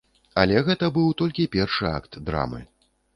Але гэта быў толькі першы акт драмы.